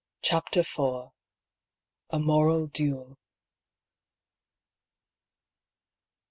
] CHAPTER IV. A MORAL DUEL.